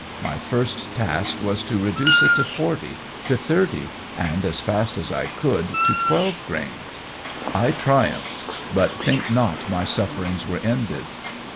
My first task was to reduce it to 40, to 30, and as fast as I could to 12 grains. I triumphed; but think not my sufferings were ended.